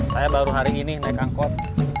saya baru hari ini naik angkot